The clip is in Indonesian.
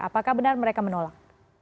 apakah benar mereka menolak